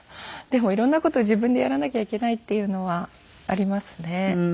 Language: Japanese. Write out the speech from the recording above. でも色んな事を自分でやらなきゃいけないっていうのはありますね。